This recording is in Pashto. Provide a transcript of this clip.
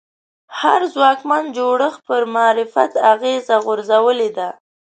هر ځواکمن جوړښت پر معرفت اغېزه غورځولې ده